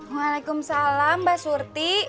waalaikumsalam mbak surti